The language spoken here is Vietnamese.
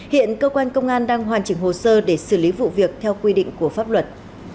hiện cơ quan công an đang hoàn chỉnh hồ sơ để xử lý vụ việc theo quy định của pháp luật